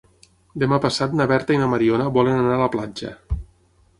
Demà passat na Berta i na Mariona volen anar a la platja.